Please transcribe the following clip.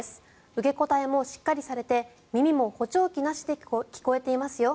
受け答えもしっかりされて耳も補聴器なしで聞こえていますよ。